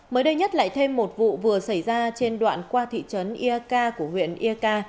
mới đây nhất lại thêm một vụ vừa xảy ra trên đoạn qua thị trấn ia ca của huyện ia ca